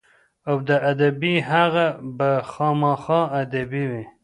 او د ادبي هغه به خامخا ادبي وي.